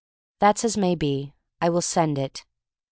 That's as may be. I will send it.